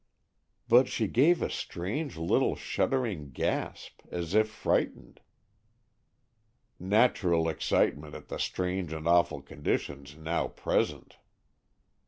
"But she gave a strange little shuddering gasp, as if frightened." "Natural excitement at the strange and awful conditions now present."